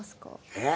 えっ？